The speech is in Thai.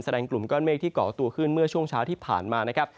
กลุ่มก้อนเมฆที่เกาะตัวขึ้นเมื่อช่วงเช้าที่ผ่านมานะครับ